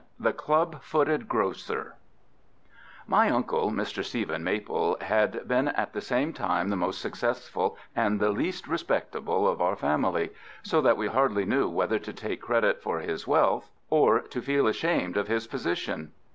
THE CLUB FOOTED GROCER My uncle, Mr. Stephen Maple, had been at the same time the most successful and the least respectable of our family, so that we hardly knew whether to take credit for his wealth or to feel ashamed of his position.